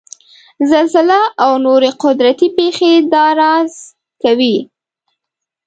زلزله او نورې قدرتي پېښې دا رازد کوي.